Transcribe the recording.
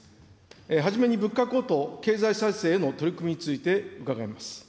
はじめに物価高騰、経済再生への取り組みについて伺います。